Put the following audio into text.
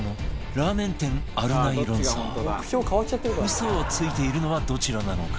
嘘をついているのはどちらなのか？